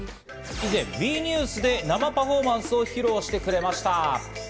以前、ＷＥニュースで生パフォーマンスを披露してくれました。